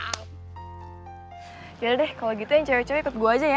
yaudah deh kalau gitu yang cewek cewek ikut gue aja ya